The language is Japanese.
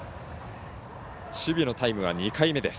守備のタイムは２回目です。